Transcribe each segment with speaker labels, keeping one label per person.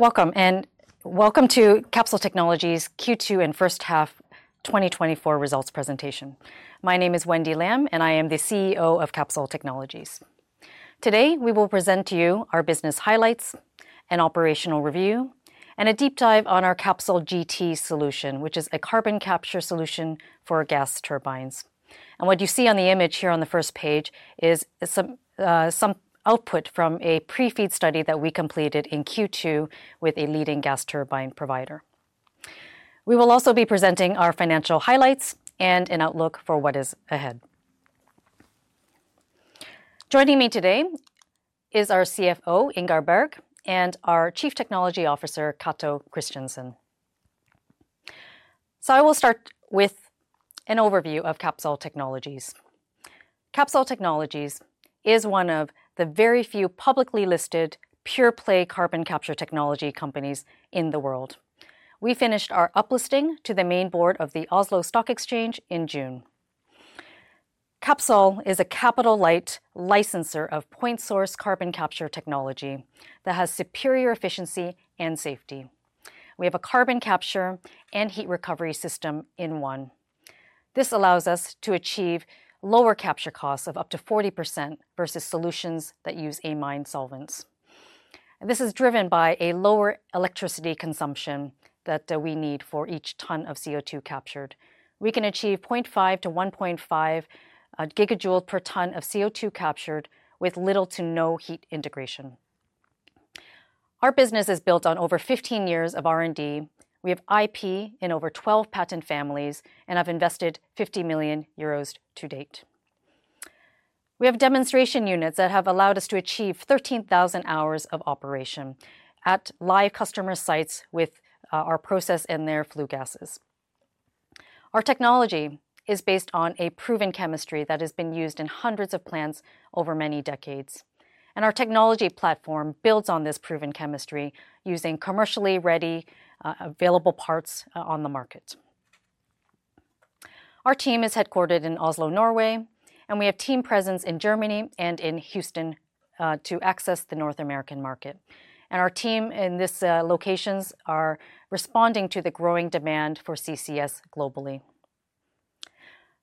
Speaker 1: Welcome, and welcome to Capsol Technologies Q2 and H1 2024 results presentation. My name is Wendy Lam, and I am the CEO of Capsol Technologies. Today, we will present to you our business highlights and operational review, and a deep dive on our CapsolGT solution, which is a carbon capture solution for gas turbines, and what you see on the image here on the first page is some, some output from a pre-FEED study that we completed in Q2 with a leading gas turbine provider. We will also be presenting our financial highlights and an outlook for what is ahead. Joining me today is our CFO, Ingar Bergh, and our Chief Technology Officer, Cato Christiansen, so I will start with an overview of Capsol Technologies. Capsol Technologies is one of the very few publicly listed pure-play carbon capture technology companies in the world. We finished our uplisting to the main board of the Oslo Stock Exchange in June. Capsol is a capital-light licensor of point source carbon capture technology that has superior efficiency and safety. We have a carbon capture and heat recovery system in one. This allows us to achieve lower capture costs of up to 40% versus solutions that use amine solvents. This is driven by a lower electricity consumption that we need for each ton of CO2 captured. We can achieve 0.5 - 1.5 GJ per ton of CO2 captured with little to no heat integration. Our business is built on over 15 years of R&D. We have IP in over 12 patent families and have invested 50 million euros to date. We have demonstration units that have allowed us to achieve 13,000 hours of operation at live customer sites with our process and their flue gases. Our technology is based on a proven chemistry that has been used in hundreds of plants over many decades, and our technology platform builds on this proven chemistry using commercially ready available parts on the market. Our team is headquartered in Oslo, Norway, and we have team presence in Germany and in Houston to access the North American market, and our team in this locations are responding to the growing demand for CCS globally.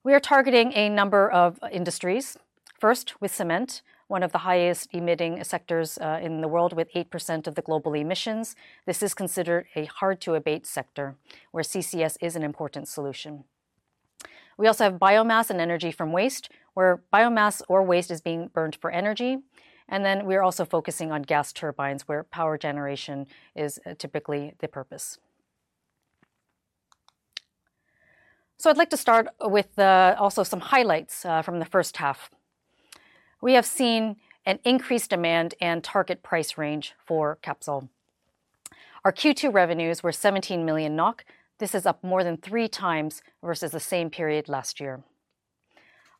Speaker 1: We are targeting a number of industries. First, with cement, one of the highest emitting sectors in the world, with 8% of the global emissions. This is considered a hard-to-abate sector, where CCS is an important solution. We also have biomass and energy from waste, where biomass or waste is being burned for energy, and then we are also focusing on gas turbines, where power generation is typically the purpose. So I'd like to start with also some highlights from the first half. We have seen an increased demand and target price range for Capsol. Our Q2 revenues were 17 million NOK. This is up more than three times versus the same period last year.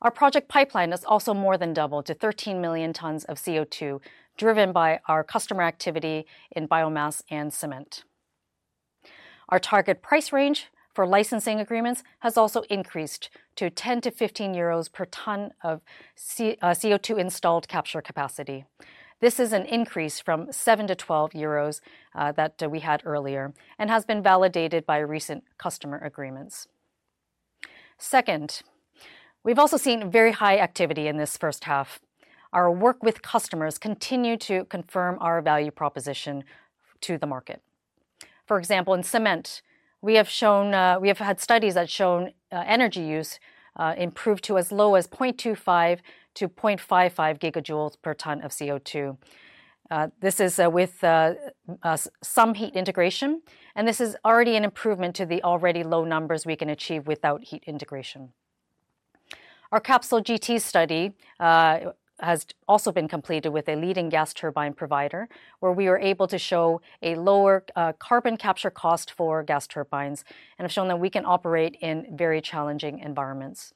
Speaker 1: Our project pipeline has also more than doubled to 13 million tons of CO2, driven by our customer activity in biomass and cement. Our target price range for licensing agreements has also increased to 10-15 euros per ton of CO2 installed capture capacity. This is an increase from 7 - 12 euros that we had earlier and has been validated by recent customer agreements. Second, we've also seen very high activity in this H1. Our work with customers continue to confirm our value proposition to the market. For example, in cement, we have shown we have had studies that have shown energy use improved to as low as 0.25 GJ - 0.55 GJ per ton of CO2. This is with some heat integration, and this is already an improvement to the already low numbers we can achieve without heat integration. Our CapsolGT study has also been completed with a leading gas turbine provider, where we were able to show a lower carbon capture cost for gas turbines and have shown that we can operate in very challenging environments.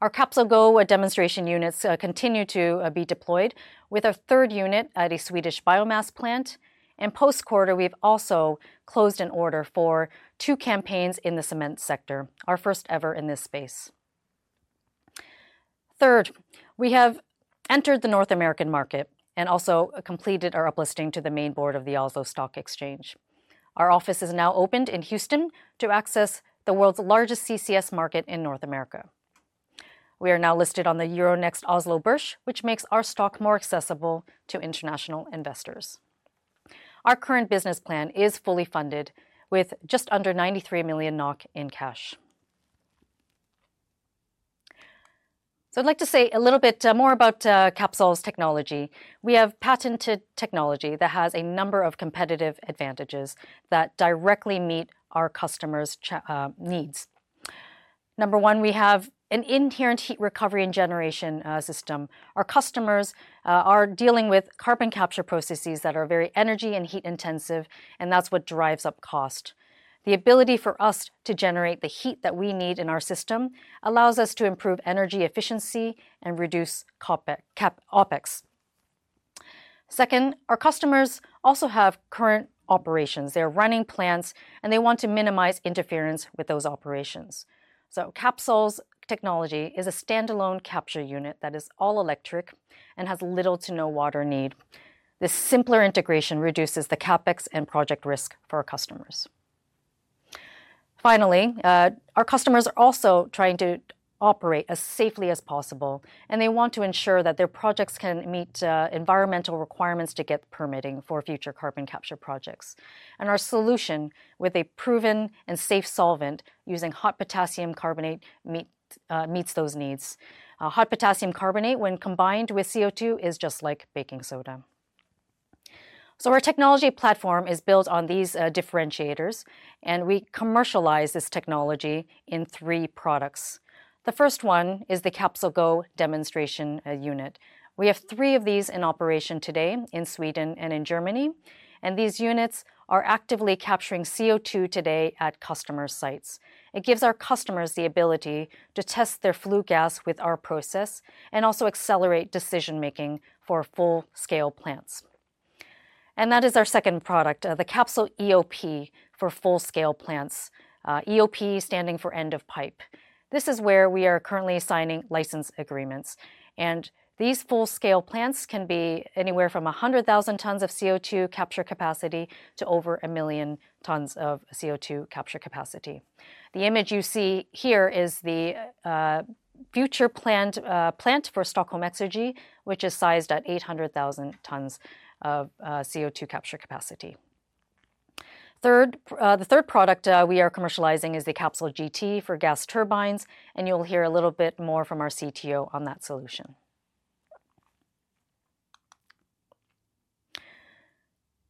Speaker 1: Our CapsolGo demonstration units continue to be deployed, with our third unit at a Swedish biomass plant, and post-quarter, we've also closed an order for two campaigns in the cement sector, our first ever in this space. Third, we have entered the North American market and also completed our up-listing to the main board of the Oslo Stock Exchange. Our office is now opened in Houston to access the world's largest CCS market in North America. We are now listed on the Euronext Oslo Børs, which makes our stock more accessible to international investors. Our current business plan is fully funded, with just under 93 million NOK in cash. So I'd like to say a little bit more about Capsol's technology. We have patented technology that has a number of competitive advantages that directly meet our customers' needs. Number one, we have an inherent heat recovery and generation system. Our customers are dealing with carbon capture processes that are very energy and heat intensive, and that's what drives up cost. The ability for us to generate the heat that we need in our system allows us to improve energy efficiency and reduce CapEx, OpEx. Second, our customers also have current operations. They are running plants, and they want to minimize interference with those operations. So Capsol Technology is a standalone capture unit that is all electric and has little to no water need. This simpler integration reduces the CapEx and project risk for our customers. Finally, our customers are also trying to operate as safely as possible, and they want to ensure that their projects can meet environmental requirements to get permitting for future carbon capture projects. Our solution, with a proven and safe solvent using hot potassium carbonate, meets those needs. Hot potassium carbonate, when combined with CO2, is just like baking soda. Our technology platform is built on these differentiators, and we commercialize this technology in three products. The first one is the CapsolGo demonstration unit. We have three of these in operation today in Sweden and in Germany, and these units are actively capturing CO2 today at customer sites. It gives our customers the ability to test their flue gas with our process, and also accelerate decision-making for full-scale plants. That is our second product, the CapsolEoP for full-scale plants. EOP standing for end of pipe. This is where we are currently signing license agreements, and these full-scale plants can be anywhere from a hundred thousand tons of CO2 capture capacity to over a million tons of CO2 capture capacity. The image you see here is the future planned plant for Stockholm Exergi, which is sized at 800,000 tons of CO2 capture capacity. Third, the third product we are commercializing is the CapsolGT for gas turbines, and you'll hear a little bit more from our CTO on that solution.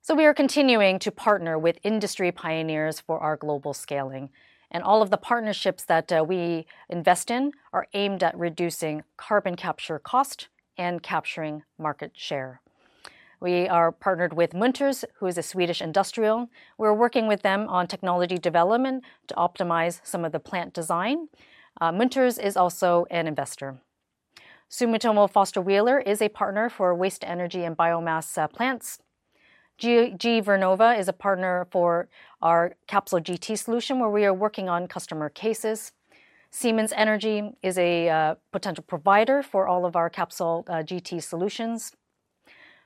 Speaker 1: So we are continuing to partner with industry pioneers for our global scaling, and all of the partnerships that we invest in are aimed at reducing carbon capture cost and capturing market share. We are partnered with Munters, who is a Swedish industrial. We're working with them on technology development to optimize some of the plant design. Munters is also an investor. Sumitomo Foster Wheeler is a partner for waste-to-energy and biomass plants. GE Vernova is a partner for our CapsolGT solution, where we are working on customer cases. Siemens Energy is a potential provider for all of our CapsolGT solutions.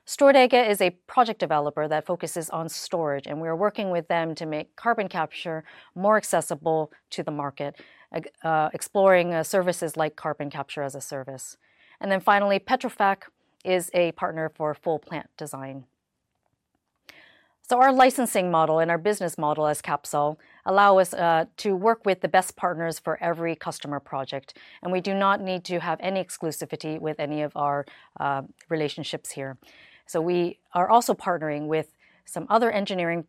Speaker 1: Storegga is a project developer that focuses on storage, and we are working with them to make carbon capture more accessible to the market, and exploring services like carbon capture as a service, and then finally, Petrofac is a partner for full plant design, so our licensing model and our business model as Capsol allow us to work with the best partners for every customer project, and we do not need to have any exclusivity with any of our relationships here. We are also partnering with some other engineering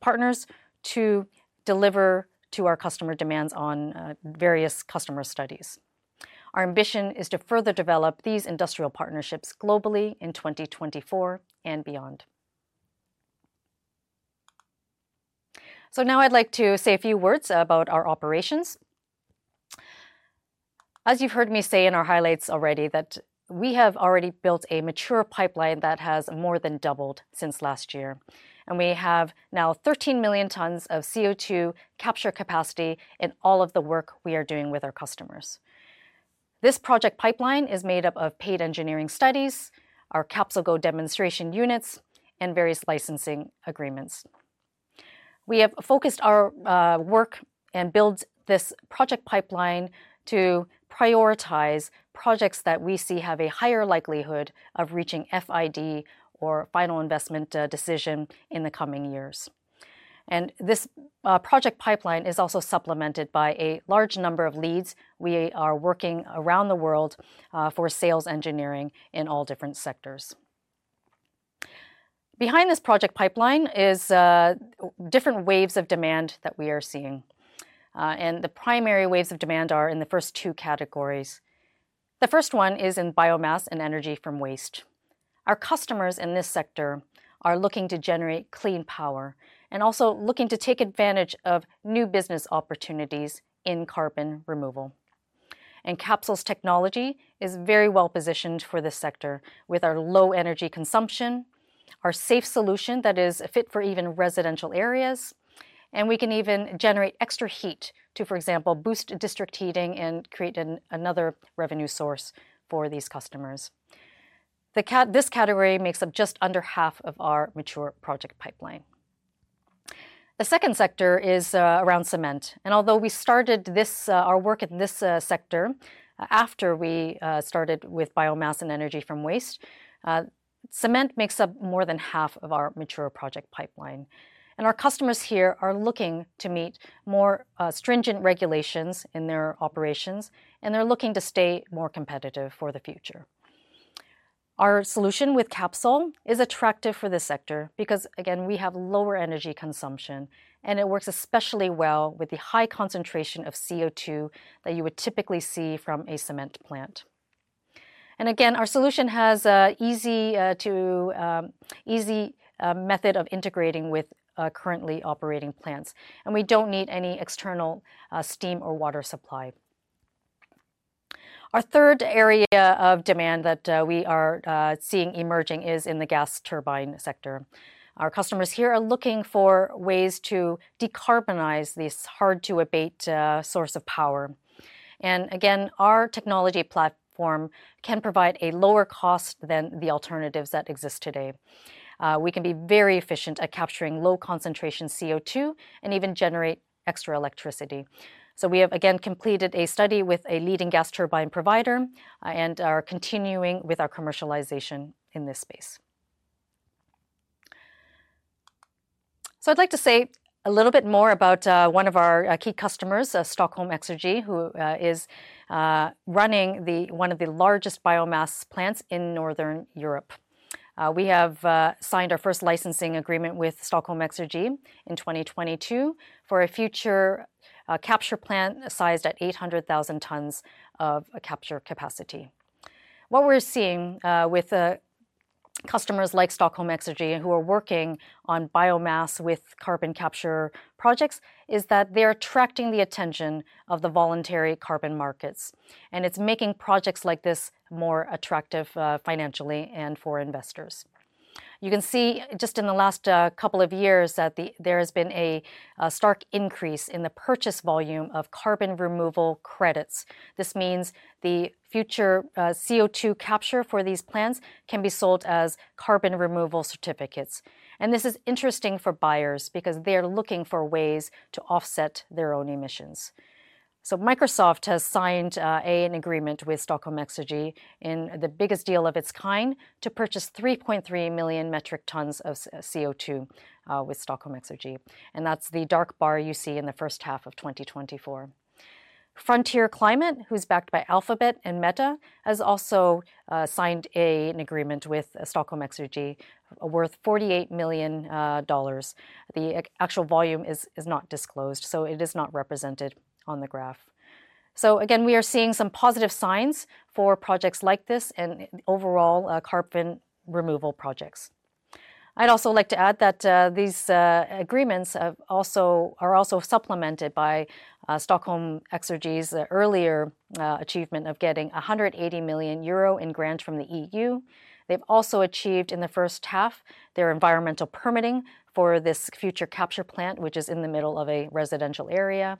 Speaker 1: partners to deliver to our customer demands on various customer studies. Our ambition is to further develop these industrial partnerships globally in 2024 and beyond. Now I'd like to say a few words about our operations. As you've heard me say in our highlights already, we have already built a mature pipeline that has more than doubled since last year, and we have now 13 million tons of CO2 capture capacity in all of the work we are doing with our customers. This project pipeline is made up of paid engineering studies, our CapsolGo demonstration units, and various licensing agreements. We have focused our work and built this project pipeline to prioritize projects that we see have a higher likelihood of reaching FID, or final investment decision, in the coming years. This project pipeline is also supplemented by a large number of leads. We are working around the world for sales engineering in all different sectors. Behind this project pipeline is different waves of demand that we are seeing, and the primary waves of demand are in the first two categories. The first one is in biomass and energy from waste. Our customers in this sector are looking to generate clean power and also looking to take advantage of new business opportunities in carbon removal. Capsol Technology is very well-positioned for this sector, with our low energy consumption, our safe solution that is fit for even residential areas, and we can even generate extra heat to, for example, boost district heating and create another revenue source for these customers. This category makes up just under half of our mature project pipeline. The second sector is around cement, and although we started our work in this sector after we started with biomass and energy from waste, cement makes up more than half of our mature project pipeline, and our customers here are looking to meet more stringent regulations in their operations, and they're looking to stay more competitive for the future. Our solution with Capsol is attractive for this sector because, again, we have lower energy consumption, and it works especially well with the high concentration of CO2 that you would typically see from a cement plant, and again, our solution has an easy method of integrating with currently operating plants, and we don't need any external steam or water supply. Our third area of demand that we are seeing emerging is in the gas turbine sector. Our customers here are looking for ways to decarbonize this hard-to-abate source of power. And again, our technology platform can provide a lower cost than the alternatives that exist today. We can be very efficient at capturing low-concentration CO2 and even generate extra electricity. So we have again completed a study with a leading gas turbine provider and are continuing with our commercialization in this space. So I'd like to say a little bit more about one of our key customers, Stockholm Exergi, who is running one of the largest biomass plants in Northern Europe. We have signed our first licensing agreement with Stockholm Exergi in 2022 for a future capture plant sized at 800,000 tons of capture capacity. What we're seeing with customers like Stockholm Exergi, who are working on biomass with carbon capture projects, is that they're attracting the attention of the voluntary carbon markets, and it's making projects like this more attractive financially and for investors. You can see just in the last couple of years that there has been a stark increase in the purchase volume of carbon removal credits. This means the future CO2 capture for these plants can be sold as carbon removal certificates. This is interesting for buyers because they're looking for ways to offset their own emissions. Microsoft has signed an agreement with Stockholm Exergi in the biggest deal of its kind, to purchase 3.3 million metric tons of CO2 with Stockholm Exergi, and that's the dark bar you see in the first half of 2024. Frontier Climate, who's backed by Alphabet and Meta, has also signed an agreement with Stockholm Exergi, worth $48 million. The actual volume is not disclosed, so it is not represented on the graph. Again, we are seeing some positive signs for projects like this and overall, carbon removal projects. I'd also like to add that these agreements are also supplemented by Stockholm Exergi's earlier achievement of getting 180 million euro in grants from the EU. They've also achieved in the first half, their environmental permitting for this future capture plant, which is in the middle of a residential area,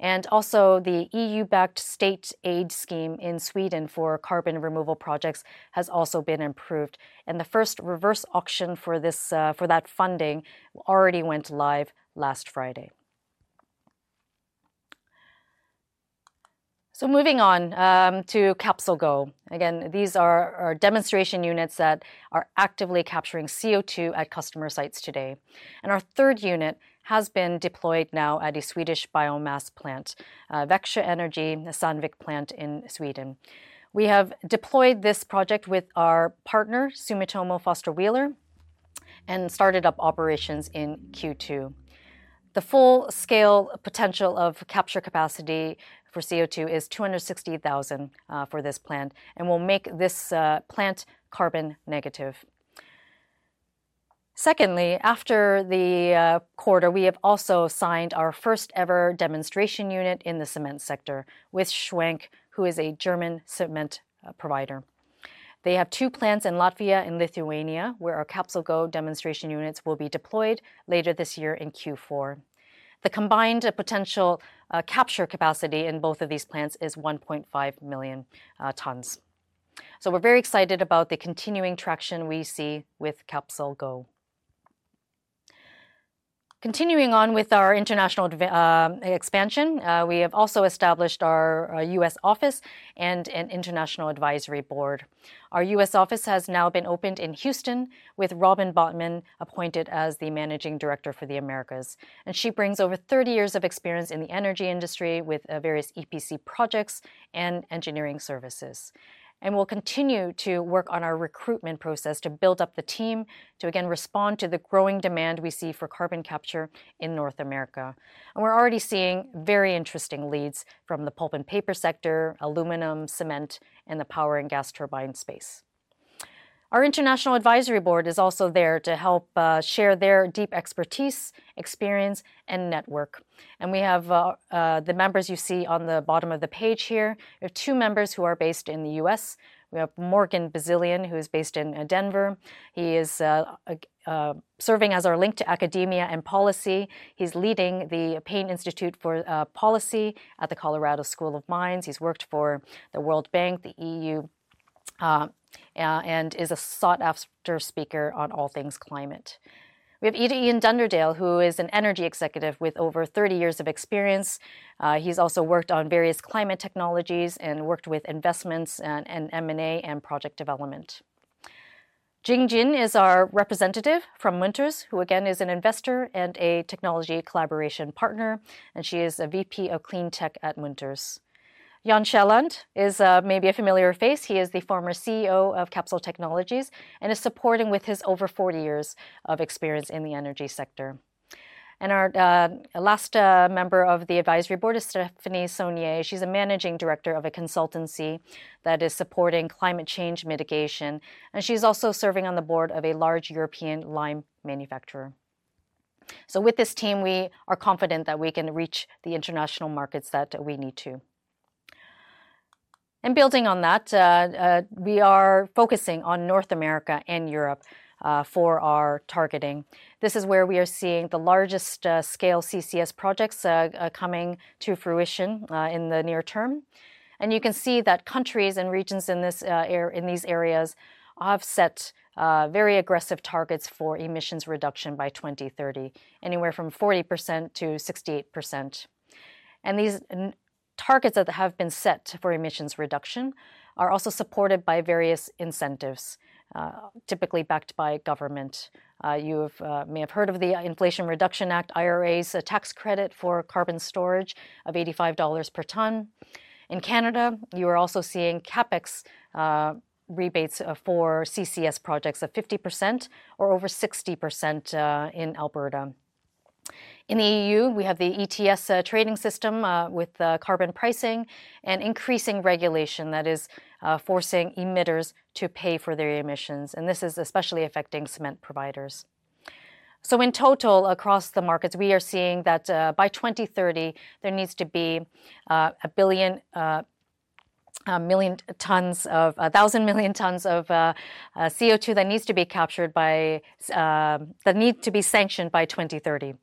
Speaker 1: and also, the EU-backed state aid scheme in Sweden for carbon removal projects has also been improved, and the first reverse auction for that funding already went live last Friday, so moving on to CapsolGo. Again, these are our demonstration units that are actively capturing CO2 at customer sites today, and our third unit has been deployed now at a Swedish biomass plant, Växjö Energi, the Sandvik plant in Sweden. We have deployed this project with our partner, Sumitomo Foster Wheeler, and started up operations in Q2. The full-scale potential of capture capacity for CO2 is 260,000 for this plant and will make this plant carbon negative. Secondly, after the quarter, we have also signed our first-ever demonstration unit in the cement sector with Schwenk, who is a German cement provider. They have two plants in Latvia and Lithuania, where our CapsolGo demonstration units will be deployed later this year in Q4. The combined potential capture capacity in both of these plants is 1.5 million tons. So we're very excited about the continuing traction we see with CapsolGo. Continuing on with our international expansion, we have also established our US office and an international advisory board. Our US office has now been opened in Houston with Robin Bodtmann appointed as the Managing Director for the Americas, and she brings over 30 years of experience in the energy industry with various EPC projects and engineering services. We'll continue to work on our recruitment process to build up the team to again, respond to the growing demand we see for carbon capture in North America. We're already seeing very interesting leads from the pulp and paper sector, aluminum, cement, and the power and gas turbine space. Our international advisory board is also there to help, share their deep expertise, experience, and network. We have the members you see on the bottom of the page here. We have two members who are based in the U.S. We have Morgan Bazilian, who is based in Denver. He is serving as our link to academia and policy. He's leading the Payne Institute for Policy at the Colorado School of Mines. He's worked for the World Bank, the E.U., and is a sought-after speaker on all things climate. We have Ian Dunderdale, who is an energy executive with over thirty years of experience. He's also worked on various climate technologies and worked with investments and M&A, and project development. Jing Jin is our representative from Munters, who again, is an investor and a technology collaboration partner, and she is a VP of Clean Tech at Munters. Jan Kielland is, maybe a familiar face. He is the former CEO of Capsol Technologies and is supporting with his over 40 years of experience in the energy sector. Our last member of the advisory board is Stéphanie Saunier. She's a managing director of a consultancy that is supporting climate change mitigation, and she's also serving on the board of a large European lime manufacturer. With this team, we are confident that we can reach the international markets that we need to. And building on that, we are focusing on North America and Europe for our targeting. This is where we are seeing the largest scale CCS projects coming to fruition in the near term. You can see that countries and regions in these areas have set very aggressive targets for emissions reduction by 2030, anywhere from 40% - 68%. These targets that have been set for emissions reduction are also supported by various incentives, typically backed by government. You may have heard of the Inflation Reduction Act, IRA's tax credit for carbon storage of $85 per ton. In Canada, you are also seeing CapEx rebates for CCS projects of 50% or over 60% in Alberta. In the EU, we have the ETS trading system with carbon pricing and increasing regulation that is forcing emitters to pay for their emissions, and this is especially affecting cement providers. In total, across the markets, we are seeing that by 2030, there needs to be a billion tons of CO2 that needs to be captured by 2030.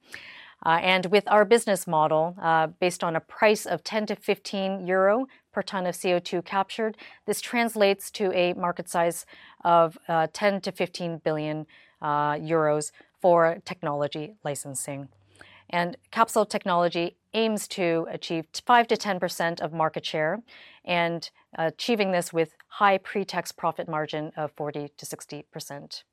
Speaker 1: With our business model based on a price of 10 - 15 euro per ton of CO2 captured, this translates to a market size of 10 billion - 15 billion euros for technology licensing. Capsol Technologies aims to achieve 5% - 10% of market share, and achieving this with high pre-tax profit margin of 40% - 60%.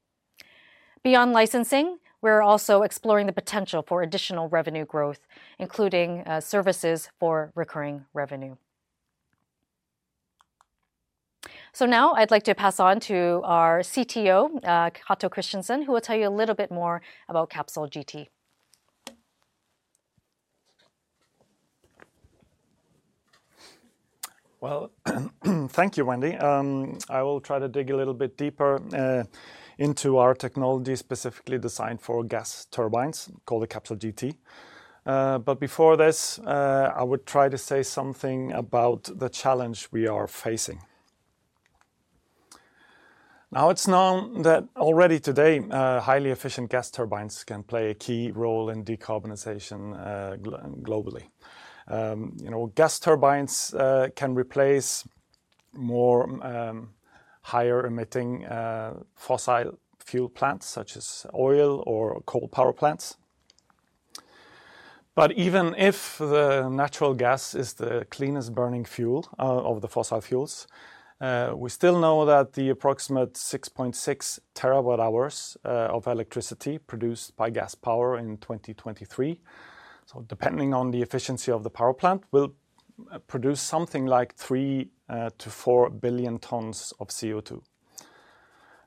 Speaker 1: Beyond licensing, we're also exploring the potential for additional revenue growth, including services for recurring revenue. So now I'd like to pass on to our CTO, Cato Christiansen, who will tell you a little bit more about CapsolGT.
Speaker 2: Thank you, Wendy. I will try to dig a little bit deeper into our technology, specifically designed for gas turbines, called the CapsolGT. But before this, I would try to say something about the challenge we are facing. Now, it's known that already today, highly efficient gas turbines can play a key role in decarbonization globally. You know, gas turbines can replace more higher emitting fossil fuel plants, such as oil or coal power plants. But even if the natural gas is the cleanest burning fuel of the fossil fuels, we still know that the approximate 6.6 TWh of electricity produced by gas power in 2023, so depending on the efficiency of the power plant, will produce something like 3 billion tons - 4 billion tons of CO2.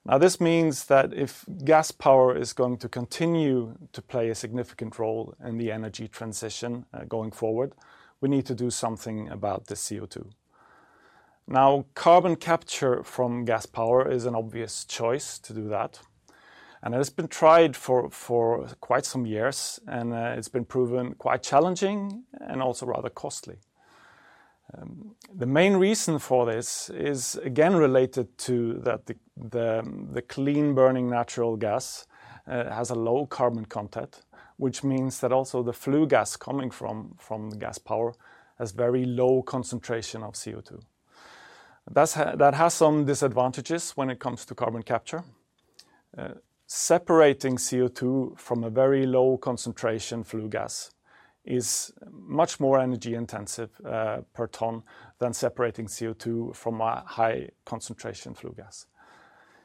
Speaker 2: Now, this means that if gas power is going to continue to play a significant role in the energy transition, going forward, we need to do something about the CO2. Now, carbon capture from gas power is an obvious choice to do that, and it has been tried for quite some years, and it's been proven quite challenging and also rather costly. The main reason for this is, again, related to that the clean-burning natural gas has a low carbon content, which means that also the flue gas coming from the gas power has very low concentration of CO2. That has some disadvantages when it comes to carbon capture. Separating CO2 from a very low concentration flue gas is much more energy intensive, per ton than separating CO2 from a high concentration flue gas.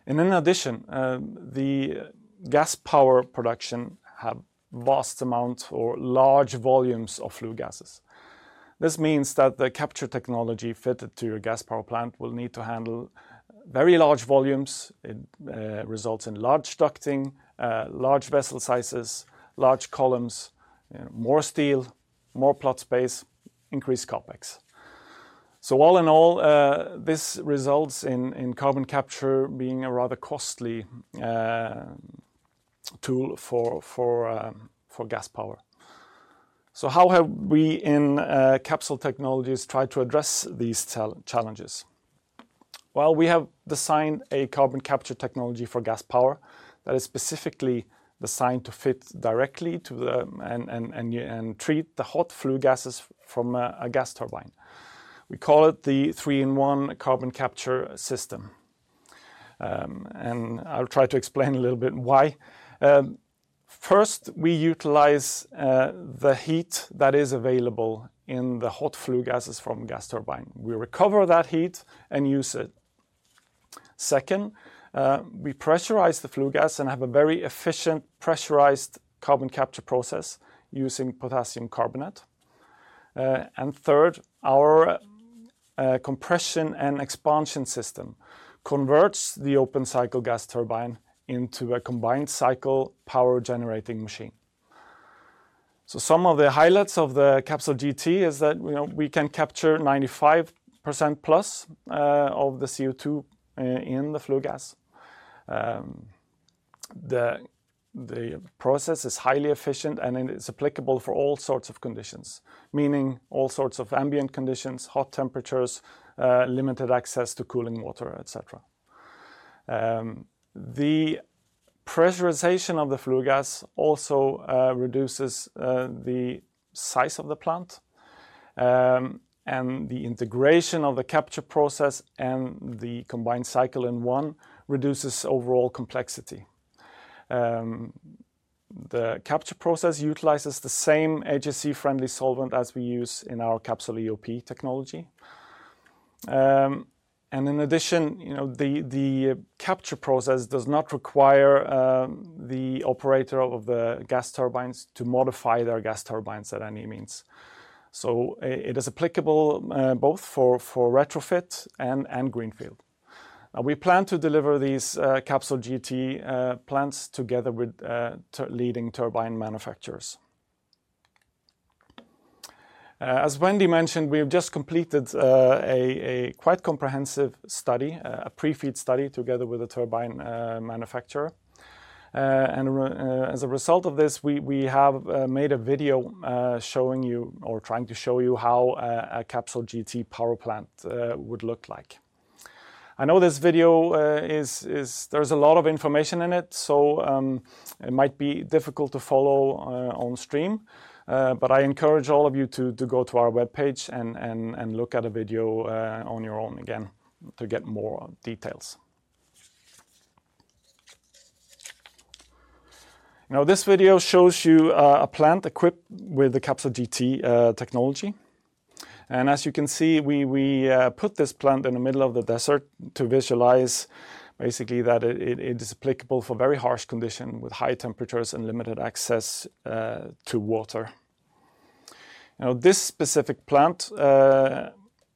Speaker 2: In addition, the gas power production have vast amounts or large volumes of flue gases. This means that the capture technology fitted to a gas power plant will need to handle very large volumes. It results in large ducting, large vessel sizes, large columns, more steel, more plot space, increased CapEx. So all in all, this results in carbon capture being a rather costly tool for gas power. So how have we in Capsol Technologies tried to address these challenges? Well, we have designed a carbon capture technology for gas power that is specifically designed to fit directly to the and treat the hot flue gases from a gas turbine. We call it the 3-in-1 carbon capture system. And I'll try to explain a little bit why. First, we utilize the heat that is available in the hot flue gases from gas turbine. We recover that heat and use it. Second, we pressurize the flue gas and have a very efficient pressurized carbon capture process using potassium carbonate. And third, our compression and expansion system converts the open cycle gas turbine into a combined cycle power-generating machine. So some of the highlights of the CapsolGT is that, you know, we can capture 95% plus of the CO2 in the flue gas. The process is highly efficient, and it is applicable for all sorts of conditions, meaning all sorts of ambient conditions, hot temperatures, limited access to cooling water, et cetera. The pressurization of the flue gas also reduces the size of the plant, and the integration of the capture process and the combined cycle in one reduces overall complexity. The capture process utilizes the same HSE-friendly solvent as we use in our CapsolEoP technology, and in addition, you know, the capture process does not require the operator of the gas turbines to modify their gas turbines at any means, so it is applicable both for retrofit and greenfield. We plan to deliver these CapsolGT plants together with leading turbine manufacturers. As Wendy mentioned, we have just completed a quite comprehensive study, a pre-FEED study, together with a turbine manufacturer. As a result of this, we have made a video showing you or trying to show you how a CapsolGT power plant would look like. I know this video is. There's a lot of information in it, so it might be difficult to follow on stream. But I encourage all of you to go to our webpage and look at the video on your own again to get more details. Now, this video shows you a plant equipped with the CapsolGT technology. As you can see, we put this plant in the middle of the desert to visualize basically that it is applicable for very harsh conditions, with high temperatures and limited access to water. Now, this specific plant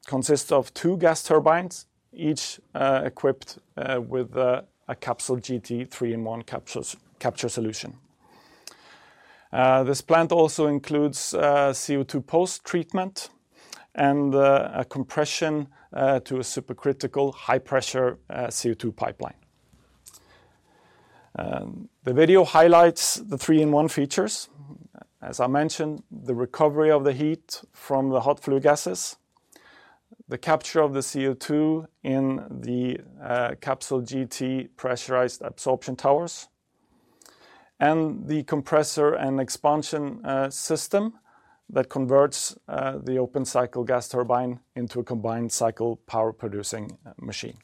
Speaker 2: consists of two gas turbines, each equipped with a CapsolGT three-in-one Capsol's capture solution. This plant also includes CO2 post-treatment and a compression to a supercritical high-pressure CO2 pipeline. The video highlights the three-in-one features. As I mentioned, the recovery of the heat from the hot flue gases, the capture of the CO2 in the CapsolGT pressurized absorption towers, and the compressor and expansion system that converts the open cycle gas turbine into a combined cycle power-producing machine.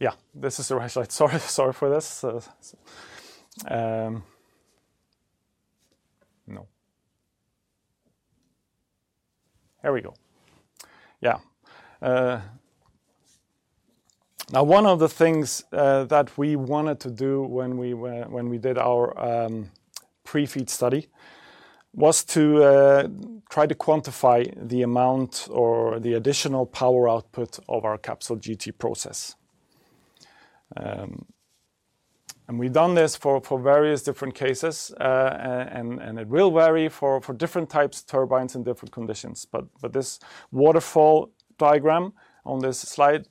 Speaker 2: Yeah, this is the right slide. Sorry, sorry for this. Here we go. Yeah. Now, one of the things that we wanted to do when we did our pre-FEED study was to try to quantify the amount or the additional power output of our CapsolGT process, and we've done this for various different cases, and it will vary for different types of turbines in different conditions, but this waterfall diagram on this slide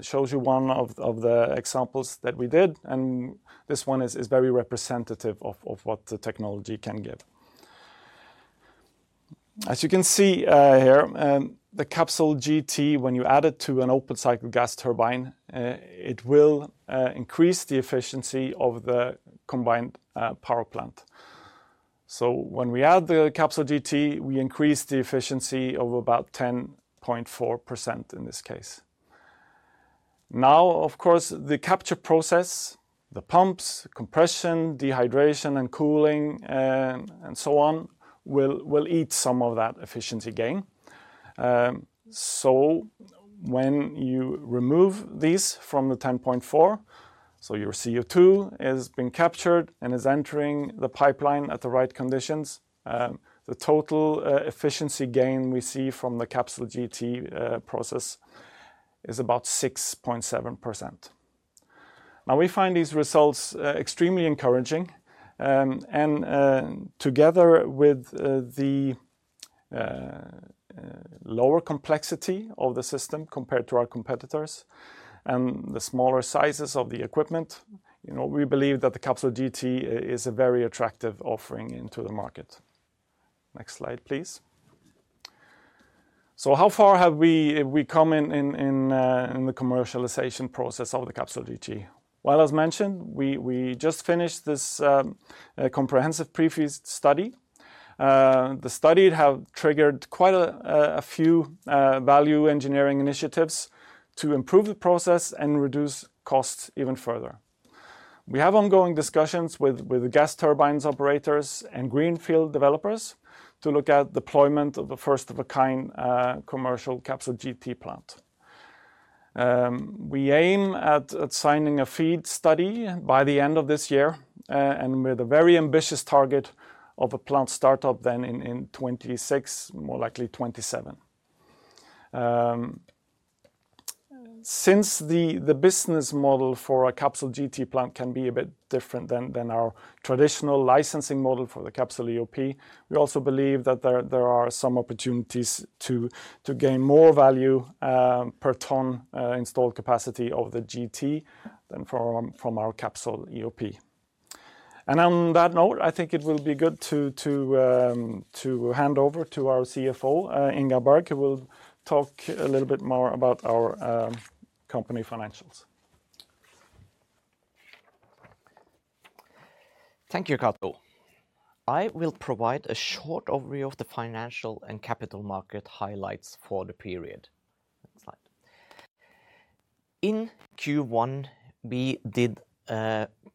Speaker 2: shows you one of the examples that we did, and this one is very representative of what the technology can give. As you can see here, the CapsolGT, when you add it to an open cycle gas turbine, it will increase the efficiency of the combined power plant. So when we add the CapsolGT, we increase the efficiency of about 10.4% in this case. Now, of course, the capture process, the pumps, compression, dehydration, and cooling, and so on, will eat some of that efficiency gain. So when you remove these from the 10.4%, so your CO2 has been captured and is entering the pipeline at the right conditions, the total efficiency gain we see from the CapsolGT process is about 6.7%. Now, we find these results extremely encouraging. And together with the lower complexity of the system compared to our competitors and the smaller sizes of the equipment, you know, we believe that the CapsolGT is a very attractive offering into the market. Next slide, please. So how far have we come in the commercialization process of the CapsolGT? Well, as mentioned, we just finished this comprehensive pre-FEED study. The study have triggered quite a few value engineering initiatives to improve the process and reduce costs even further. We have ongoing discussions with the gas turbine operators and greenfield developers to look at deployment of a first-of-a-kind commercial CapsolGT plant. We aim at signing a FEED study by the end of this year, and with a very ambitious target of a plant startup then in 2026, more likely 2027. Since the business model for a CapsolGT plant can be a bit different than our traditional licensing model for the CapsolEoP, we also believe that there are some opportunities to gain more value per ton installed capacity of the GT than from our CapsolEoP. And on that note, I think it will be good to hand over to our CFO, Ingar Bergh, who will talk a little bit more about our company financials.
Speaker 3: Thank you, Cato. I will provide a short overview of the financial and capital market highlights for the period. Next slide. In Q1, we did a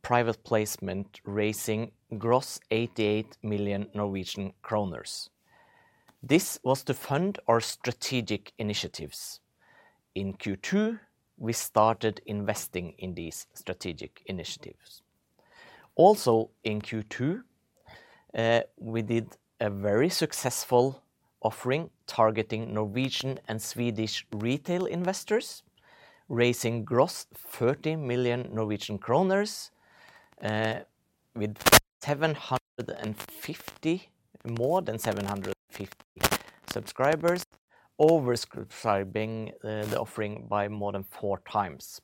Speaker 3: private placement, raising gross 88 million Norwegian kroner. This was to fund our strategic initiatives. In Q2, we started investing in these strategic initiatives. Also, in Q2, we did a very successful offering targeting Norwegian and Swedish retail investors, raising gross NOK 30 million, with more than 750 subscribers, oversubscribing the offering by more than four times.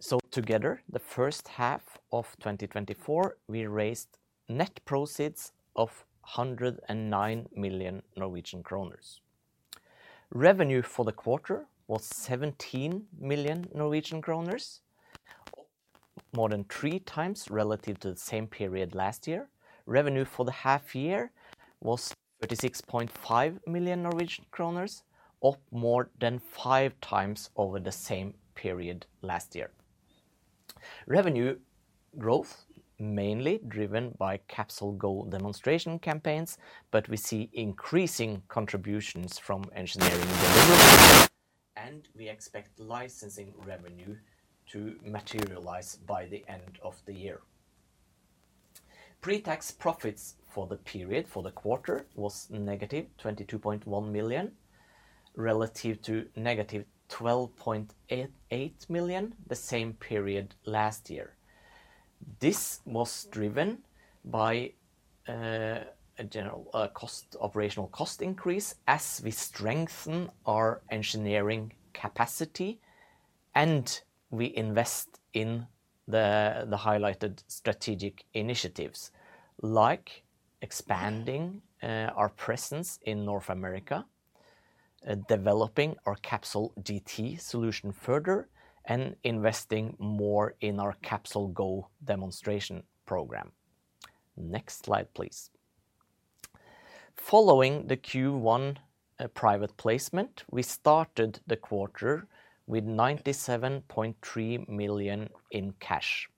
Speaker 3: So together, the H1 of 2024, we raised net proceeds of 109 million Norwegian kroner. Revenue for the quarter was 17 million Norwegian kroner, up more than 3x relative to the same period last year. Revenue for the half year was 36.5 million Norwegian kroner, up more than 5x over the same period last year. Revenue growth mainly driven by CapsolGo demonstration campaigns, but we see increasing contributions from engineering and delivery, and we expect licensing revenue to materialize by the end of the year. Pre-tax profits for the period, for the quarter, was - 22.1 million, relative to - 12.8 million the same period last year. This was driven by a general cost-operational cost increase as we strengthen our engineering capacity, and we invest in the highlighted strategic initiatives, like expanding our presence in North America, developing our CapsolGT solution further, and investing more in our CapsolGo demonstration program. Next slide, please. Following the Q1 private placement, we started the quarter with 97.3 million in cash.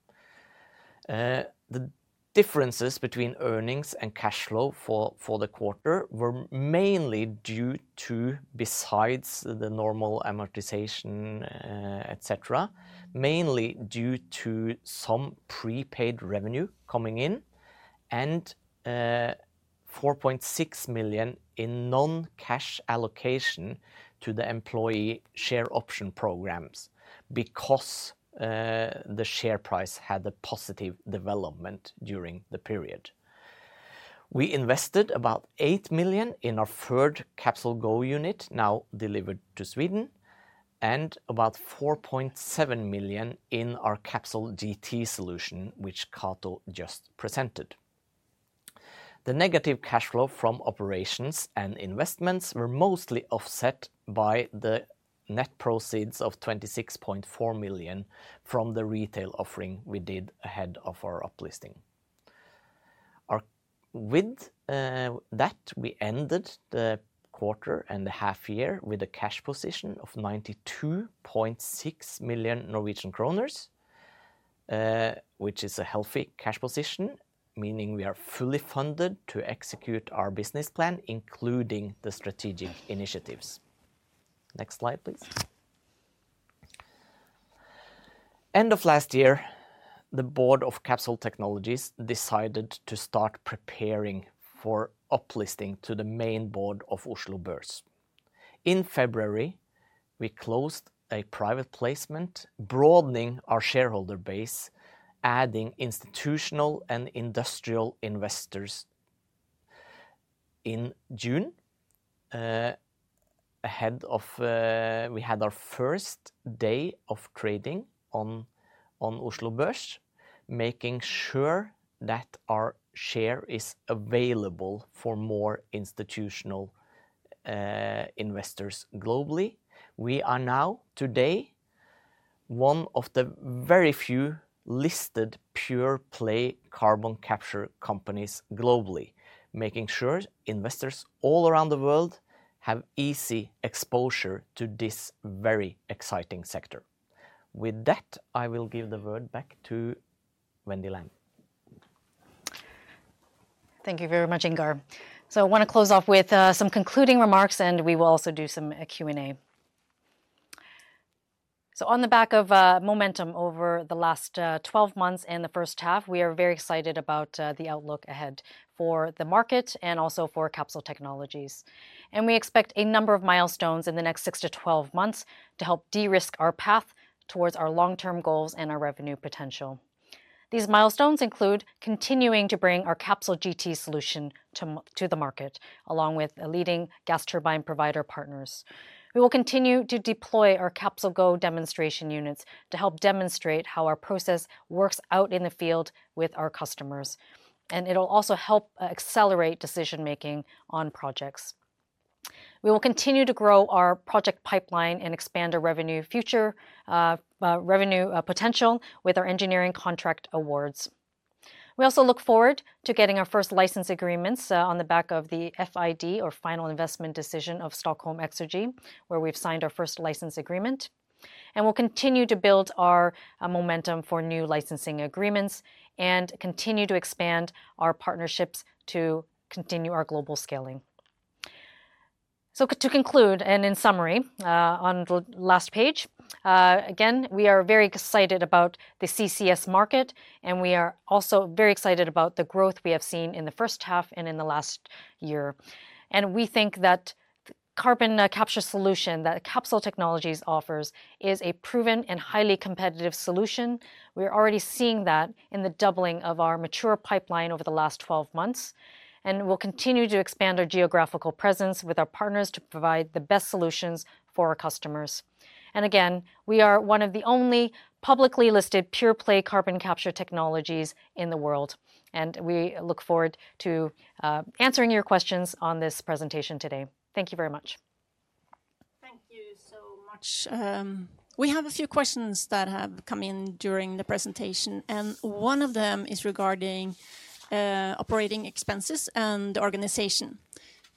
Speaker 3: The differences between earnings and cash flow for the quarter were mainly due to, besides the normal amortization, et cetera, mainly due to some prepaid revenue coming in and 4.6 million in non-cash allocation to the employee share option programs because the share price had a positive development during the period. We invested about 8 million in our third CapsolGo unit, now delivered to Sweden, and about 4.7 million in our CapsolGT solution, which Cato just presented. The negative cash flow from operations and investments were mostly offset by the net proceeds of 26.4 million from the retail offering we did ahead of our up-listing. With that, we ended the quarter and the half year with a cash position of 92.6 million Norwegian kroner, which is a healthy cash position, meaning we are fully funded to execute our business plan, including the strategic initiatives. Next slide, please. End of last year, the board of Capsol Technologies decided to start preparing for uplisting to the main board of Oslo Børs. In February, we closed a private placement, broadening our shareholder base, adding institutional and industrial investors. In June, we had our first day of trading on Oslo Børs, making sure that our share is available for more institutional investors globally. We are now, today, one of the very few listed pure-play carbon capture companies globally, making sure investors all around the world have easy exposure to this very exciting sector. With that, I will give the word back to Wendy Lam.
Speaker 1: Thank you very much, Ingar. So I want to close off with some concluding remarks, and we will also do some Q&A. So on the back of momentum over the last 12 months and the first half, we are very excited about the outlook ahead for the market and also for Capsol Technologies. And we expect a number of milestones in the next six to 12 months to help de-risk our path towards our long-term goals and our revenue potential. These milestones include continuing to bring our CapsolGT solution to the market, along with the leading gas turbine provider partners. We will continue to deploy our CapsolGo demonstration units to help demonstrate how our process works out in the field with our customers, and it'll also help accelerate decision-making on projects. We will continue to grow our project pipeline and expand our revenue potential with our engineering contract awards. We also look forward to getting our first license agreements on the back of the FID or final investment decision of Stockholm Exergi, where we've signed our first license agreement, and we'll continue to build our momentum for new licensing agreements, and continue to expand our partnerships to continue our global scaling. To conclude, and in summary, on the last page, again, we are very excited about the CCS market, and we are also very excited about the growth we have seen in the H1 and in the last year, and we think that the carbon capture solution that Capsol Technologies offers is a proven and highly competitive solution. We're already seeing that in the doubling of our mature pipeline over the last 12 months, and we'll continue to expand our geographical presence with our partners to provide the best solutions for our customers, and again, we are one of the only publicly listed pure-play carbon capture technologies in the world, and we look forward to answering your questions on this presentation today. Thank you very much.
Speaker 4: Thank you so much. We have a few questions that have come in during the presentation, and one of them is regarding operating expenses and the organization.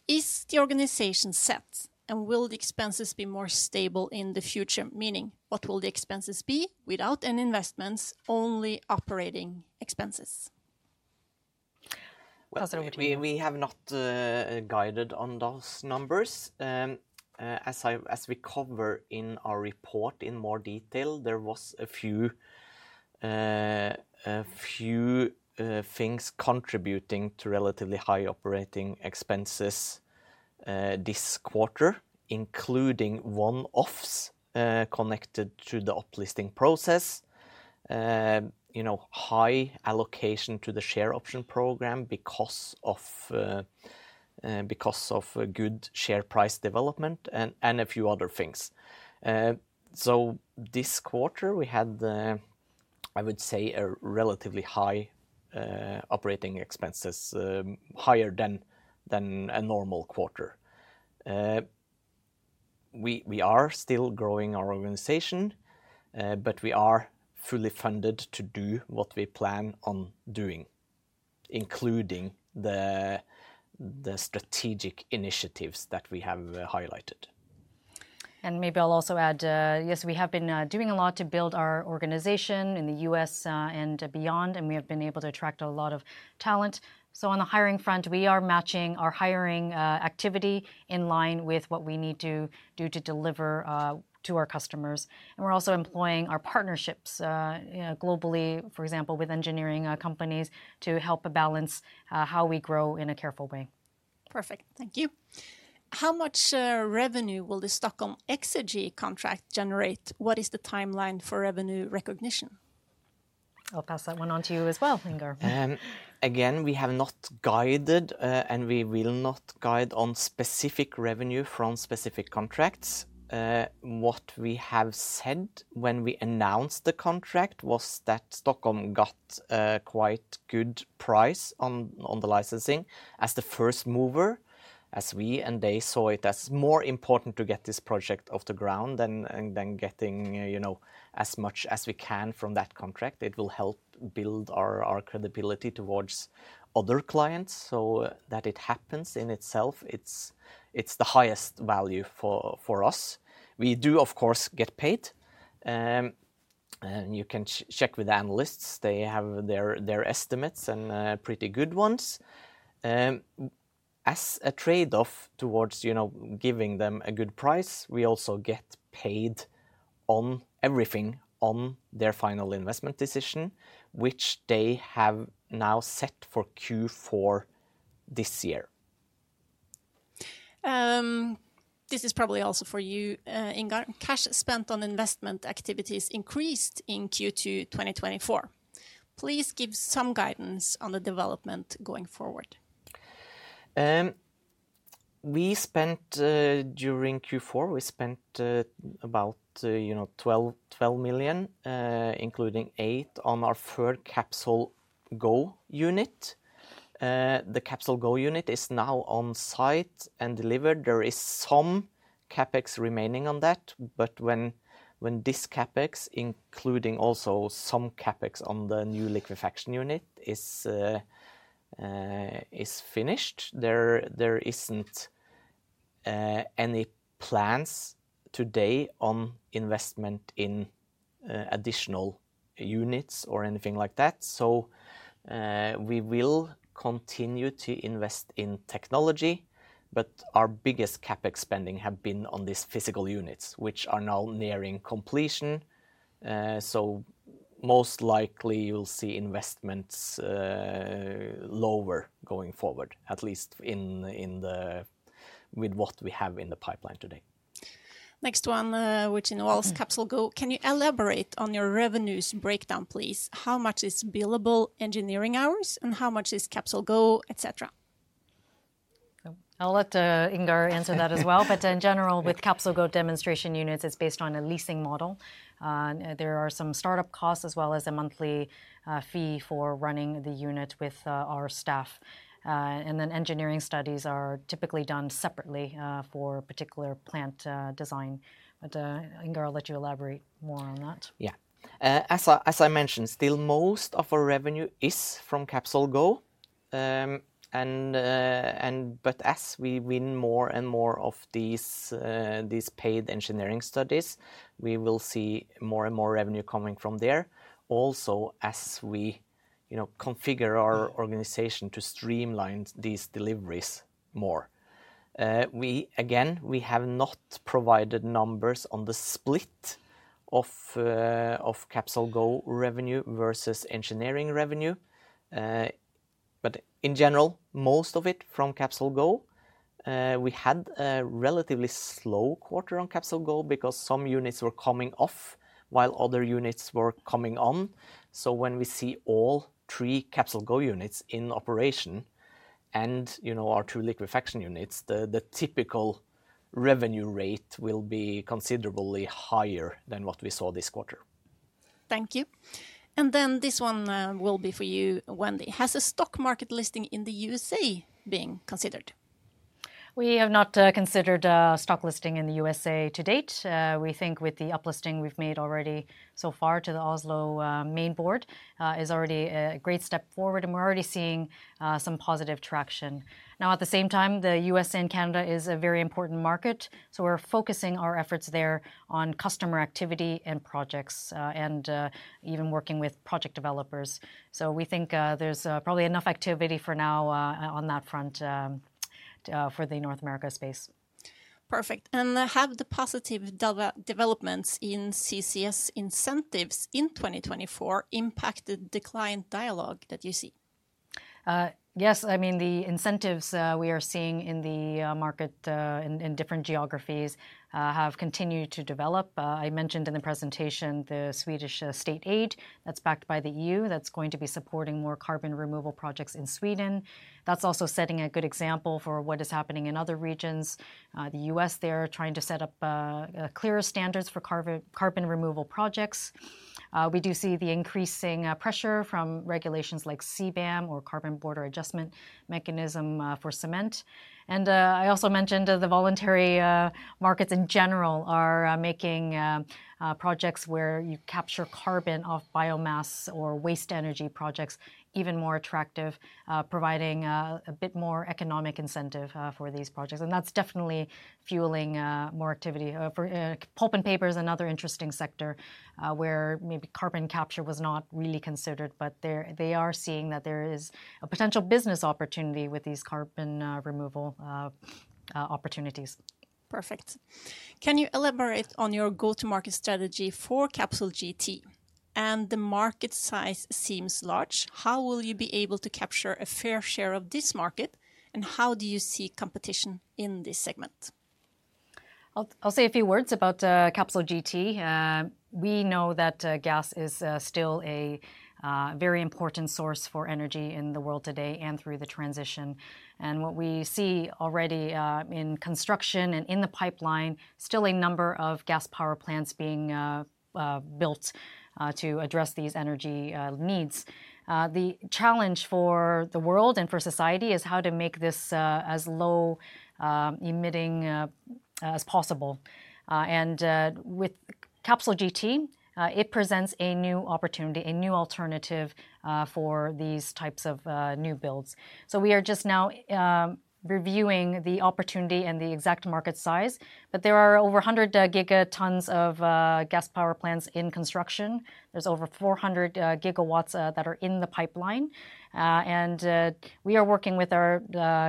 Speaker 4: Is the organization set, and will the expenses be more stable in the future? Meaning, what will the expenses be without any investments, only operating expenses?
Speaker 1: I'll pass it to you-
Speaker 3: We have not guided on those numbers. As we cover in our report in more detail, there was a few things contributing to relatively high operating expenses this quarter, including one-offs connected to the up-listing process. You know, high allocation to the share option program because of a good share price development and a few other things. This quarter, we had, I would say, a relatively high operating expenses higher than a normal quarter. We are still growing our organization, but we are fully funded to do what we plan on doing, including the strategic initiatives that we have highlighted.
Speaker 1: And maybe I'll also add, yes, we have been doing a lot to build our organization in the U.S., and beyond, and we have been able to attract a lot of talent. So on the hiring front, we are matching our hiring activity in line with what we need to do to deliver to our customers. And we're also employing our partnerships, you know, globally, for example, with engineering companies, to help balance how we grow in a careful way.
Speaker 4: Perfect. Thank you. How much revenue will the Stockholm Exergi contract generate? What is the timeline for revenue recognition?
Speaker 1: I'll pass that one on to you as well, Ingar.
Speaker 3: Again, we have not guided, and we will not guide on specific revenue from specific contracts. What we have said when we announced the contract was that Stockholm got a quite good price on the licensing as the first mover, as we and they saw it, as more important to get this project off the ground than getting, you know, as much as we can from that contract. It will help build our credibility towards other clients, so that it happens in itself, it's the highest value for us. We do, of course, get paid. And you can check with analysts. They have their estimates, and pretty good ones. As a trade-off toward, you know, giving them a good price, we also get paid on everything, on their Final Investment Decision, which they have now set for Q4 this year.
Speaker 4: This is probably also for you, Ingar. Cash spent on investment activities increased in Q2 2024. Please give some guidance on the development going forward.
Speaker 3: We spent during Q4 about, you know, 12 million, including 8 million on our third CapsolGo unit. The CapsolGo unit is now on site and delivered. There is some CapEx remaining on that, but when this CapEx, including also some CapEx on the new liquefaction unit, is finished, there isn't any plans today on investment in additional units or anything like that, so we will continue to invest in technology, but our biggest CapEx spending have been on these physical units, which are now nearing completion, so most likely you'll see investments lower going forward, at least with what we have in the pipeline today.
Speaker 4: Next one, which involves CapsolGo. Can you elaborate on your revenues breakdown, please? How much is billable engineering hours, and how much is CapsolGo, et cetera?
Speaker 1: So I'll let Ingar answer that as well. But in general, with CapsolGo demonstration units, it's based on a leasing model. There are some startup costs as well as a monthly fee for running the unit with our staff. And then engineering studies are typically done separately for particular plant design. But Ingar, I'll let you elaborate more on that.
Speaker 3: Yeah. As I mentioned, still, most of our revenue is from CapsolGo. And but as we win more and more of these paid engineering studies, we will see more and more revenue coming from there. Also, as we, you know, configure our organization to streamline these deliveries more. We, again, we have not provided numbers on the split of, of CapsolGo revenue versus engineering revenue. But in general, most of it from CapsolGo. We had a relatively slow quarter on CapsolGo because some units were coming off while other units were coming on. So when we see all three CapsolGo units in operation and, you know, our two liquefaction units, the typical revenue rate will be considerably higher than what we saw this quarter.
Speaker 4: Thank you. And then this one, will be for you, Wendy. Has a stock market listing in the USA being considered?
Speaker 1: We have not considered a stock listing in the USA to date. We think with the up-listing we've made already so far to the Oslo Main Board is already a great step forward, and we're already seeing some positive traction. Now, at the same time, the U.S. and Canada is a very important market, so we're focusing our efforts there on customer activity and projects, and even working with project developers, so we think there's probably enough activity for now on that front for the North America space.
Speaker 4: Perfect. And have the positive developments in CCS incentives in 2024 impacted the client dialogue that you see?
Speaker 1: Yes. I mean, the incentives we are seeing in the market in different geographies have continued to develop. I mentioned in the presentation the Swedish state aid that's backed by the EU, that's going to be supporting more carbon removal projects in Sweden. That's also setting a good example for what is happening in other regions. The U.S., they are trying to set up a clearer standards for carbon removal projects. We do see the increasing pressure from regulations like CBAM or Carbon Border Adjustment Mechanism for cement. And I also mentioned the voluntary markets in general are making projects where you capture carbon off biomass or waste-to-energy projects even more attractive, providing a bit more economic incentive for these projects. That's definitely fueling more activity. For pulp and paper is another interesting sector where maybe carbon capture was not really considered, but they are seeing that there is a potential business opportunity with these carbon removal opportunities.
Speaker 4: Perfect. Can you elaborate on your go-to-market strategy for CapsolGT? And the market size seems large, how will you be able to capture a fair share of this market, and how do you see competition in this segment?
Speaker 1: I'll say a few words about CapsolGT. We know that gas is still a very important source for energy in the world today and through the transition, and what we see already in construction and in the pipeline, still a number of gas power plants being built to address these energy needs. The challenge for the world and for society is how to make this as low emitting as possible, and with CapsolGT, it presents a new opportunity, a new alternative for these types of new builds, so we are just now reviewing the opportunity and the exact market size, but there are over 100 gigatons of gas power plants in construction. There's over 400 GW that are in the pipeline. And we are working with our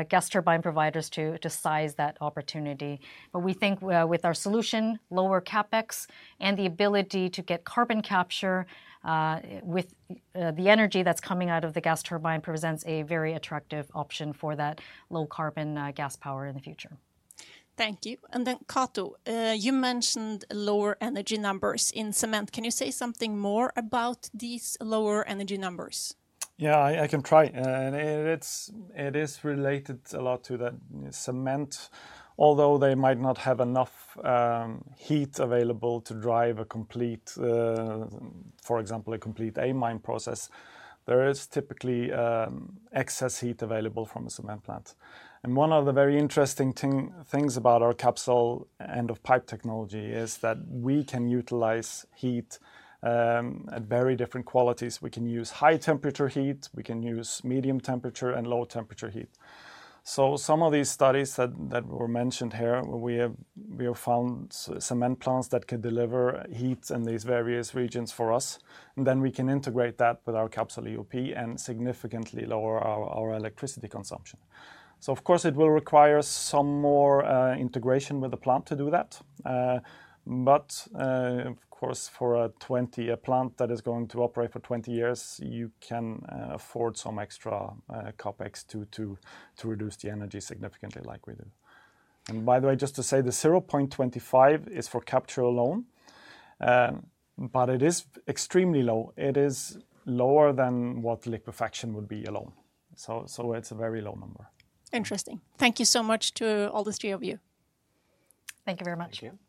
Speaker 1: gas turbine providers to size that opportunity. But we think with our solution, lower CapEx, and the ability to get carbon capture with the energy that's coming out of the gas turbine presents a very attractive option for that low-carbon gas power in the future.
Speaker 4: Thank you, and then, Cato, you mentioned lower energy numbers in cement. Can you say something more about these lower energy numbers?
Speaker 2: Yeah, I can try. And it's related a lot to the cement. Although they might not have enough heat available to drive a complete, for example, a complete amine process, there is typically excess heat available from a cement plant. And one of the very interesting things about our Capsol end of pipe technology is that we can utilize heat at very different qualities. We can use high-temperature heat, we can use medium temperature, and low-temperature heat. So some of these studies that were mentioned here, we have found cement plants that can deliver heat in these various regions for us, and then we can integrate that with our CapsolEoP and significantly lower our electricity consumption. So of course, it will require some more integration with the plant to do that. But of course, for a plant that is going to operate for 20 years, you can afford some extra CapEx to reduce the energy significantly like we do. And by the way, just to say, the 0.25 is for capture alone, but it is extremely low. It is lower than what liquefaction would be alone, so it's a very low number.
Speaker 4: Interesting. Thank you so much to all the three of you.
Speaker 1: Thank you very much.
Speaker 3: Thank you.